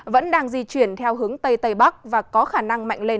vẫn đang di chuyển theo hướng tây tây bắc và có khả năng mạnh lên